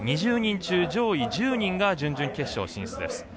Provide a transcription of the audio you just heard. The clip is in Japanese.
２０人中、上位１０人が準々決勝に進出。